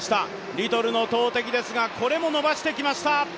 リトルの投てきですが、これも伸ばしてきました。